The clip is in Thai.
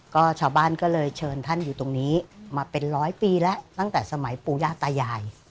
ก็ชาวบ้านก็เลยเชิญท่านอยู่ตรงนี้มาเป็นร้อยปีแล้วตั้งแต่สมัยปูย่าตายาย